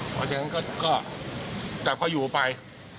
เพราะฉะนั้นก็แต่พออยู่ไป